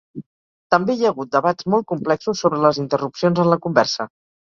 També hi ha hagut debats molt complexos sobre les interrupcions en la conversa.